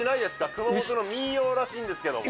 熊本の民謡らしいんですけども。